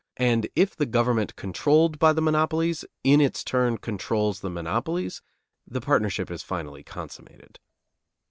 And if the government controlled by the monopolies in its turn controls the monopolies, the partnership is finally consummated.